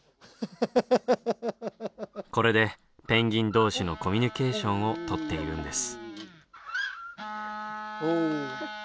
これでペンギン同士のコミュニケーションをとっているんです。